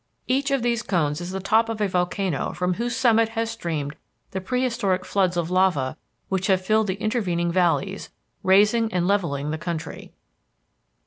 Each of these cones is the top of a volcano from whose summit has streamed the prehistoric floods of lava which have filled the intervening valleys, raising and levelling the country.